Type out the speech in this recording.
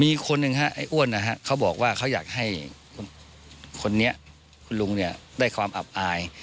มีคนหนึ่งฮะไอ้อ้วนนะฮะเขาบอกว่าเขาอยากให้คนนี้คุณลุงเนี่ยได้ความอับอาย